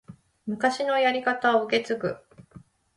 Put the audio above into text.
昔のやり方を受け継ぐ